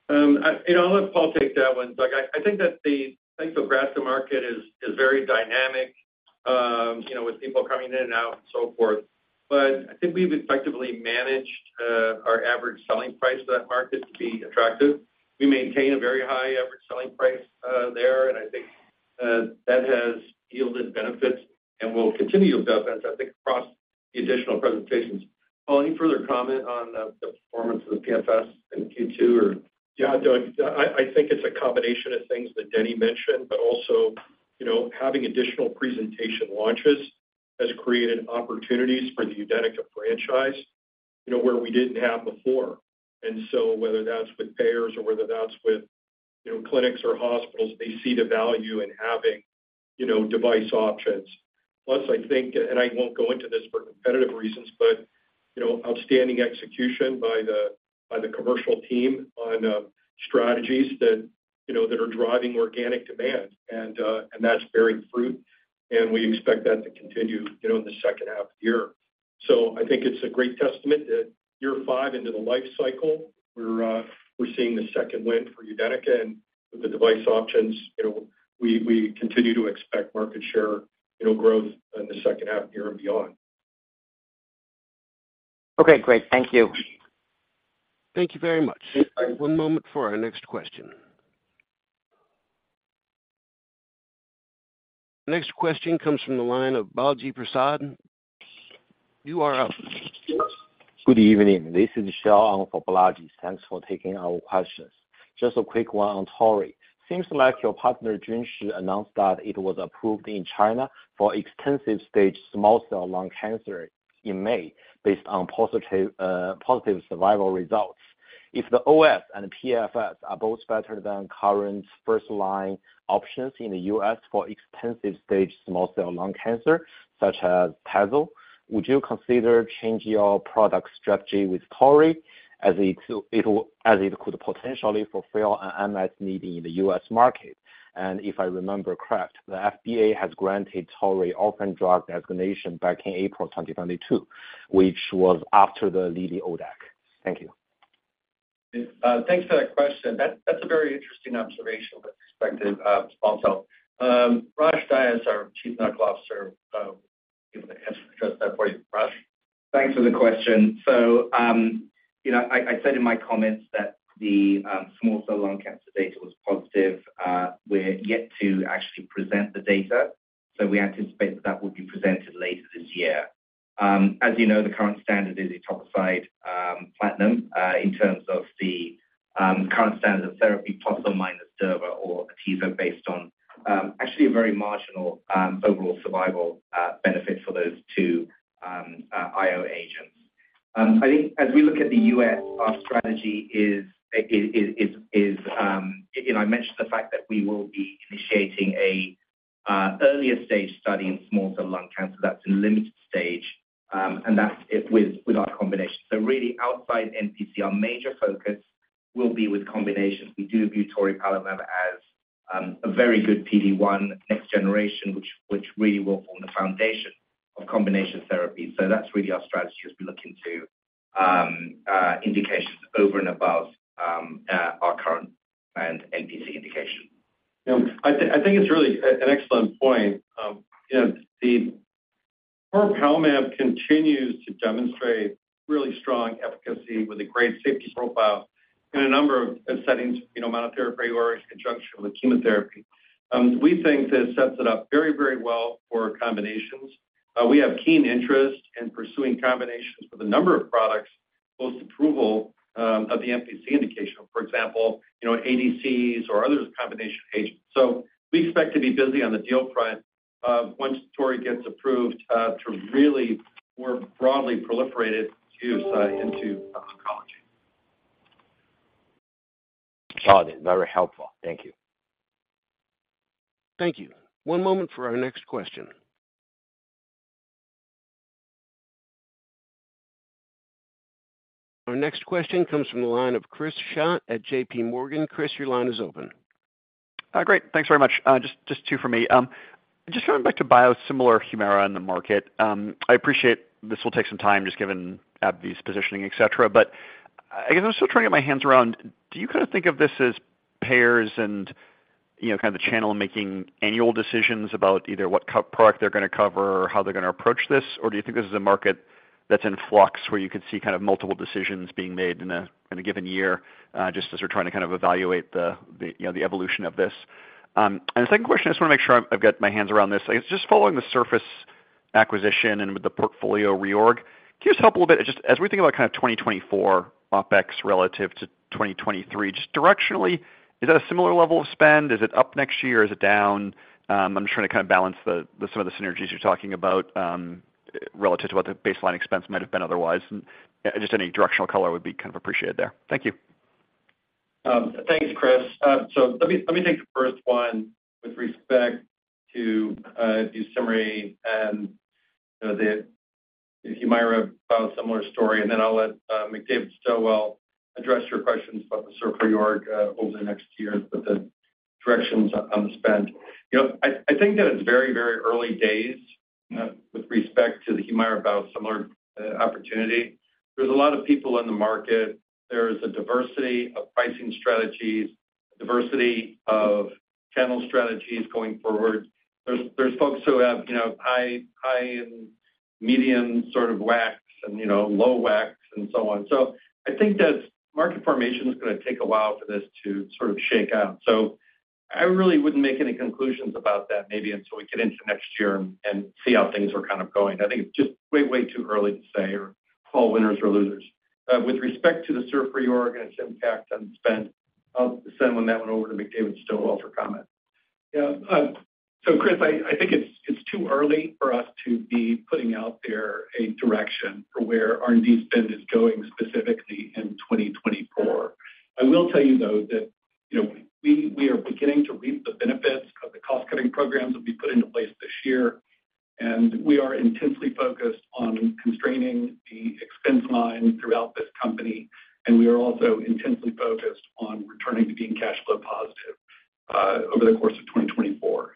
I, you know, I'll let Paul take that one. Doug, I, I think that the ipilimumab market is, is very dynamic, you know, with people coming in and out and so forth. I think we've effectively managed our average selling price to that market to be attractive. We maintain a very high average selling price there, and I think that has yielded benefits and will continue to yield benefits, I think, across the additional presentations. Paul, any further comment on the, the performance of the PFS in Q2, or? Yeah, Doug, I, I think it's a combination of things that Denny mentioned, but also, you know, having additional presentation launches has created opportunities for the UDENYCA franchise, you know, where we didn't have before. So whether that's with payers or whether that's with, you know, clinics or hospitals, they see the value in having, you know, device options. Plus, I think, and I won't go into this for competitive reasons, but, you know, outstanding execution by the, by the commercial team on strategies that, you know, that are driving organic demand. That's bearing fruit, and we expect that to continue, you know, in the second half of the year. I think it's a great testament that year five into the life cycle, we're seeing the second wind for UDENYCA and with the device options, you know, we, we continue to expect market share, you know, growth in the second half of the year and beyond. Okay, great. Thank you. Thank you very much. Thanks. One moment for our next question. Next question comes from the line of Balaji Prasad. You are up. Good evening. This is Xiao on for Balaji. Thanks for taking our questions. Just a quick one on Tori. Seems like your partner, Junshi, announced that it was approved in China for extensive-stage small cell lung cancer in May based on positive survival results. If the OS and PFS are both better than current first-line options in the U.S. for extensive-stage small cell lung cancer, such as TECENTRIQ, would you consider changing your product strategy with Tori, as it could potentially fulfill an MS need in the U.S. market? And if I remember correct, the FDA has granted Tori orphan drug designation back in April 2022, which was after the lead ODAC. Thank you. Thanks for that question. That, that's a very interesting observation with perspective, Balaji Rosh Dias, our Chief Medical Officer, give the answer, address that for you, Rosh. Thanks for the question. You know, I, I said in my comments that the, small cell lung cancer data was positive. We're yet to actually present the data. We anticipate that that will be presented later this year. As you know, the current standard is etoposide, platinum, in terms of the current standard of therapy, plus or minus durvalumab or atezolizumab, based on actually a very marginal overall survival benefit for those two IO agents. I think as we look at the U.S., our strategy is, you know, I mentioned the fact that we will be initiating a earlier stage study in small cell lung cancer that's in limited stage, and that's it with our combination. Really outside NPC, our major focus will be with combinations. We do view toripalimab as a very good PD-1 next generation, which, which really will form the foundation of combination therapy. That's really our strategy, is be looking to indications over and above our current and NPC indication. You know, I think, I think it's really an excellent point. You know, the toripalimab continues to demonstrate really strong efficacy with a great safety profile in a number of settings, you know, monotherapy or in conjunction with chemotherapy. We think this sets it up very, very well for combinations. We have keen interest in pursuing combinations with a number of products, post-approval, of the NPC indication. For example, you know, ADCs or other combination agents. We expect to be busy on the deal front, once tori gets approved, to really more broadly proliferate its use, into oncology. Got it. Very helpful. Thank you. Thank you. One moment for our next question. Our next question comes from the line of Chris Schott at J.P. Morgan. Chris, your line is open. Great. Thanks very much. Just, just two for me. Just going back to biosimilar Humira in the market. I appreciate this will take some time, just given AbbVie's positioning, et cetera, but I guess I'm still trying to get my hands around, do you kind of think of this as payers and, you know, kind of the channel making annual decisions about either what co- product they're going to cover or how they're going to approach this? Do you think this is a market that's in flux, where you could see kind of multiple decisions being made in a, in a given year, just as we're trying to kind of evaluate the, the, you know, the evolution of this? The second question, I just want to make sure I've got my hands around this. I guess just following the surface acquisition and with the portfolio reorg, can you just help a little bit, just as we think about kind of 2024 OpEx relative to 2023, just directionally, is that a similar level of spend? Is it up next year? Is it down? I'm just trying to kind of balance the, the some of the synergies you're talking about, relative to what the baseline expense might have been otherwise. Just any directional color would be kind of appreciated there. Thank you. Thanks, Chris. Let me, let me take the first one with respect to the summary and, you know, the Humira biosimilar story, and then I'll let McDavid Stilwell address your questions about the surf reorg over the next two years. The directions on the spend. You know, I, I think that it's very, very early days with respect to the Humira biosimilar opportunity. There's a lot of people in the market. There's a diversity of pricing strategies, diversity of channel strategies going forward. There's, there's folks who have, you know, high, high and medium sort of WACs and, you know, low WACs and so on. I think that market formation is going to take a while for this to sort of shake out. I really wouldn't make any conclusions about that, maybe until we get into next year and see how things are kind of going. I think it's just way, way too early to say or call winners or losers. With respect to the Surf reorg and its impact on spend, I'll send that one over to McDavid Stilwell for comment. Yeah, Chris, I, I think it's, it's too early for us to be putting out there a direction for where R&D spend is going, specifically in 2024. I will tell you, though, that, you know, we, we are beginning to reap the benefits of the cost-cutting programs that we put into place this year, and we are intensely focused on constraining the expense line throughout this company, and we are also intensely focused on returning to being cash flow positive over the course of 2024.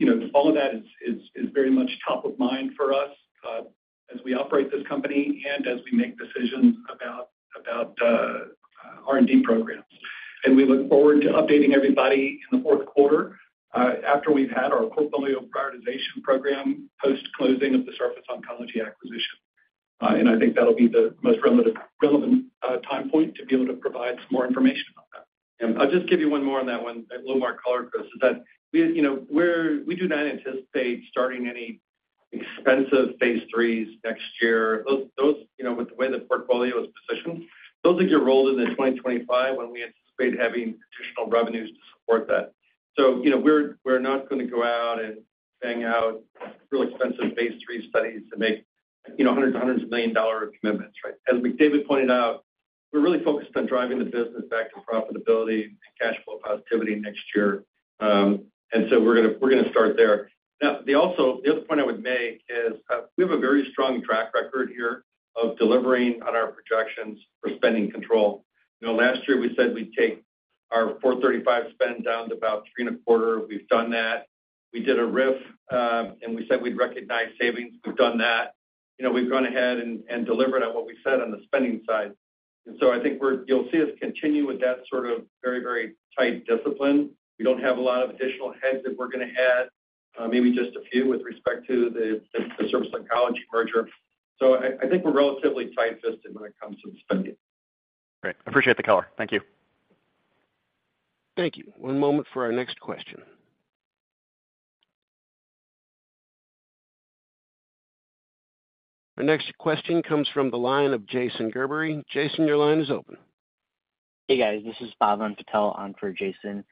You know, all of that is, is, is very much top of mind for us as we operate this company and as we make decisions about, about R&D programs. We look forward to updating everybody in the fourth quarter after we've had our portfolio prioritization program, post-closing of the Surface Oncology acquisition. I think that'll be the most relevant, relevant, time point to be able to provide some more information on that. I'll just give you one more on that one, a little more color, Chris, is that we, you know, we do not anticipate starting any expensive phase III next year. Those, you know, with the way the portfolio is positioned, those are rolled into 2025 when we anticipate having traditional revenues to support that. You know, we're, we're not going to go out and bang out real expensive phase III studies to make, you know, hundreds and hundreds of million dollar commitments, right? As McDavid pointed out, we're really focused on driving the business back to profitability and cash flow positivity next year. So we're gonna, we're gonna start there. The other point I would make is, we have a very strong track record here of delivering on our projections for spending control. You know, last year we said we'd take our $435 spend down to about $3.25. We've done that. We did a RIF, and we said we'd recognize savings. We've done that. You know, we've gone ahead and, and delivered on what we said on the spending side. I think we're, you'll see us continue with that sort of very, very tight discipline. We don't have a lot of additional heads that we're going to add, maybe just a few with respect to the, the Surface Oncology merger. I, I think we're relatively tight-fisted when it comes to spending. Great. I appreciate the color. Thank you. Thank you. One moment for our next question. Our next question comes from the line of Jason Gerberry. Jason, your line is open. Hey, guys, this is Pavan Patel on for Jason.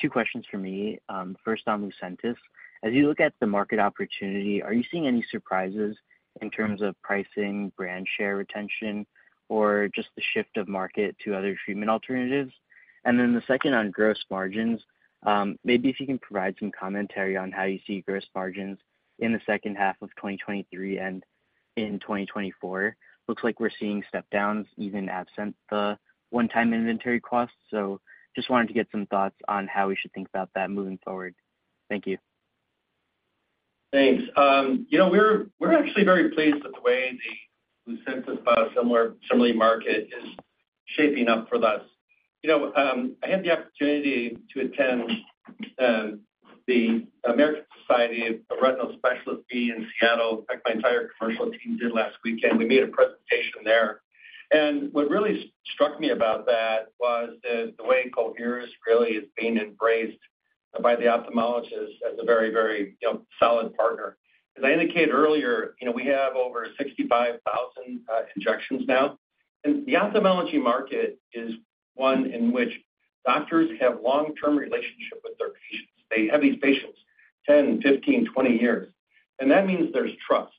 Two questions for me. First on Lucentis. As you look at the market opportunity, are you seeing any surprises in terms of pricing, brand share retention, or just the shift of market to other treatment alternatives? The 2nd on gross margins, maybe if you can provide some commentary on how you see gross margins in the 2nd half of 2023 and in 2024. Looks like we're seeing step downs even absent the one-time inventory costs. Just wanted to get some thoughts on how we should think about that moving forward. Thank you. Thanks. You know, we're, we're actually very pleased with the way the Lucentis biosimilar, CIMERLI market is shaping up for us. You know, I had the opportunity to attend the American Society of Retina Specialists meeting in Seattle. In fact, my entire commercial team did last weekend. We made a presentation there, and what really struck me about that was the, the way Coherus really is being embraced by the ophthalmologists as a very, very, you know, solid partner. As I indicated earlier, you know, we have over 65,000 injections now, and the ophthalmology market is one in which doctors have long-term relationship with their patients. They have these patients 10, 15, 20 years, and that means there's trust.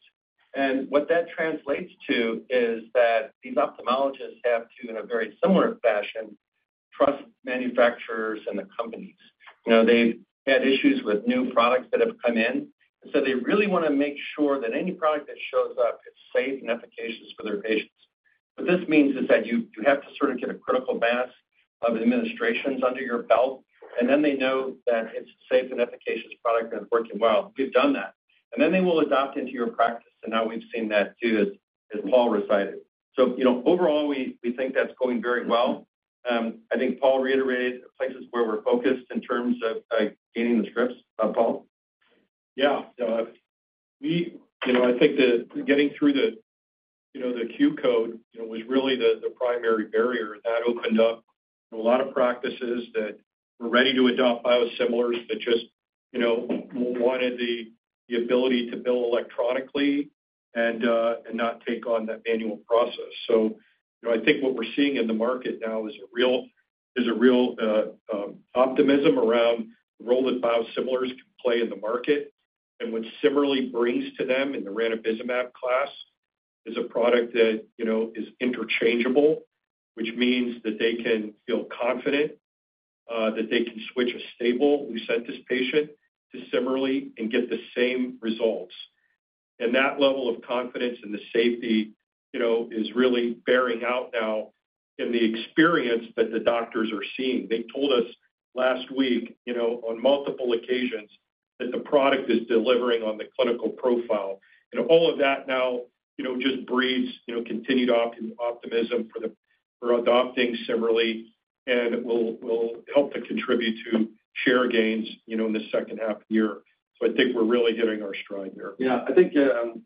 What that translates to is that these ophthalmologists have to, in a very similar fashion, trust manufacturers and the companies. You know, they've had issues with new products that have come in, they really want to make sure that any product that shows up is safe and efficacious for their patients. What this means is that you, you have to sort of get a critical mass of administrations under your belt, then they know that it's a safe and efficacious product that's working well. We've done that, then they will adopt into your practice, now we've seen that, too, as, as Paul recited. You know, overall, we, we think that's going very well. I think Paul reiterated places where we're focused in terms of gaining the scripts. Paul? Yeah, You know, I think the getting through the, you know, the Q-code, you know, was really the, the primary barrier that opened up a lot of practices that were ready to adopt biosimilars that just, you know, wanted the, the ability to bill electronically and not take on that manual process. You know, I think what we're seeing in the market now is a real, is a real optimism around the role that biosimilars can play in the market. What CIMERLI brings to them in the ranibizumab class is a product that, you know, is interchangeable, which means that they can feel confident that they can switch a stable Lucentis patient to CIMERLI and get the same results. That level of confidence in the safety, you know, is really bearing out now in the experience that the doctors are seeing. They told us last week, you know, on multiple occasions, that the product is delivering on the clinical profile. All of that now, you know, just breeds, you know, continued optimism for the, for adopting CIMERLI and will, will help to contribute to share gains, you know, in the second half of the year. I think we're really hitting our stride there. Yeah, I think,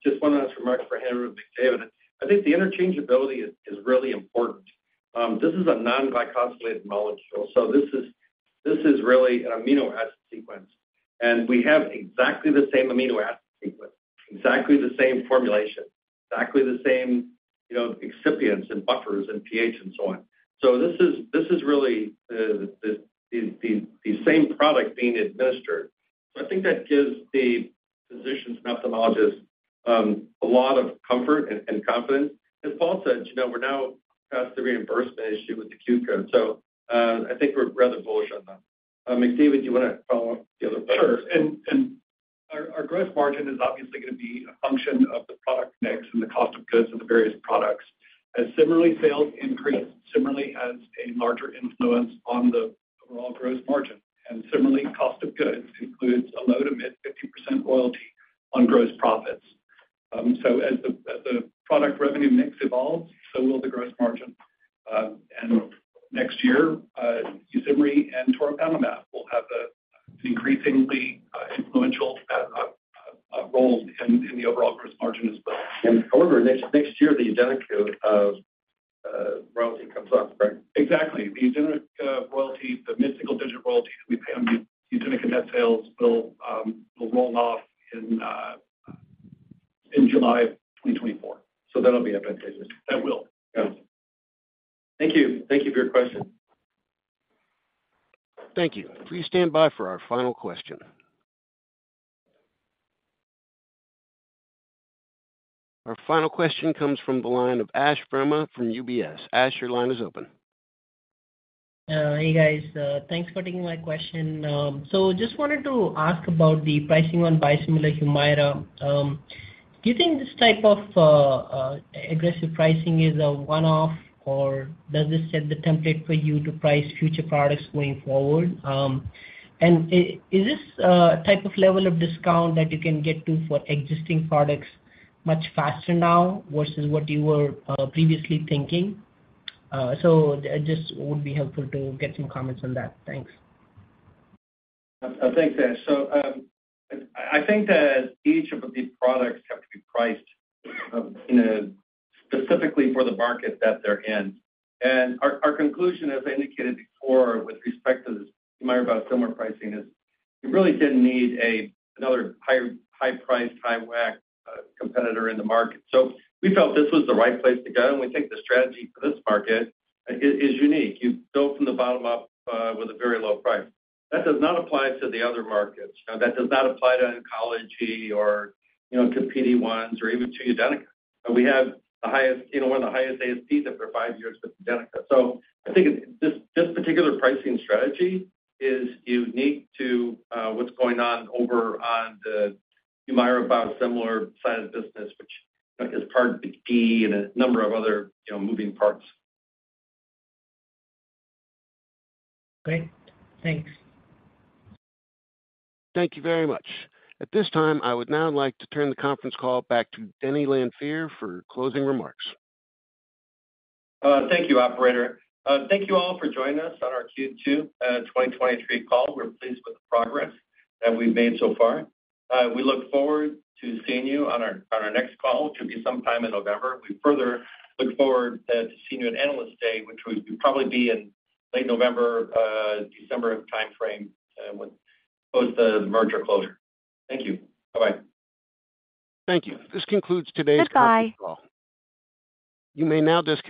just one last remark for Henry and McDavid. I think the interchangeability is, is really important. This is a non-glycosylated molecule, so this is, this is really an amino acid sequence, and we have exactly the same amino acid sequence, exactly the same formulation, exactly the same, you know, excipients and buffers and pH and so on. This is, this is really the, the, the, the same product being administered. I think that gives the physicians and ophthalmologists, a lot of comfort and, and confidence. As Paul said, you know, we're now past the reimbursement issue with the Q-code, so, I think we're rather bullish on them. McDavid, do you wanna follow up the other points? Sure. Our gross margin is obviously gonna be a function of the product mix and the cost of goods of the various products. As CIMERLI sales increase, CIMERLI has a larger influence on the overall gross margin, and CIMERLI cost of goods includes a low to mid-50% royalty on gross profits. As the product revenue mix evolves, so will the gross margin. Next year, YUSIMRY and toripalimab will have an increasingly influential roles in the overall gross margin as well. However, next, next year, the UDENYCA code of royalty comes off, right? Exactly. The Udenyca royalty, the mystical digit royalty we pay on the Udenyca net sales will roll off in July of 2024. That'll be a fantastic. That will. Yeah. Thank you. Thank you for your question. Thank you. Please stand by for our final question. Our final question comes from the line of Ashwani Verma from UBS. Ash, your line is open. Hey, guys. Thanks for taking my question. Just wanted to ask about the pricing on biosimilar Humira. Do you think this type of aggressive pricing is a one-off, or does this set the template for you to price future products going forward? Is this type of level of discount that you can get to for existing products much faster now versus what you were previously thinking? It just would be helpful to get some comments on that. Thanks. Thanks, Ash. I, I think that each of these products have to be priced, you know, specifically for the market that they're in. Our, our conclusion, as I indicated before, with respect to the Humira biosimilar pricing, is we really didn't need another high, high-priced, high-WAC competitor in the market. We felt this was the right place to go, and we think the strategy for this market is unique. You build from the bottom up with a very low price. That does not apply to the other markets. That does not apply to oncology or, you know, to PD-1s or even to UDENYCA. We have the highest, you know, one of the highest ASPs there for 5 years with UDENYCA. I think this, this particular pricing strategy is unique to what's going on over on the Humira biosimilar side of the business, which is part of BD and a number of other, you know, moving parts. Great. Thanks. Thank you very much. At this time, I would now like to turn the conference call back to Denny Lanfear for closing remarks. Thank you, operator. Thank you all for joining us on our Q2 2023 call. We're pleased with the progress that we've made so far. We look forward to seeing you on our, on our next call, which will be sometime in November. We further look forward to seeing you at Analyst Day, which will probably be in late November, December timeframe and with both the merger closure. Thank you. Bye-bye. Thank you. This concludes today's. You may now disconnect.